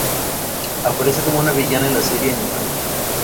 Aparece como una villana en la serie animada.